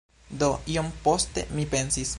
Do, iom poste mi pensis